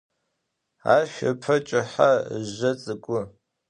Aş ıpe ç'ıhe, ıjje ts'ık'u.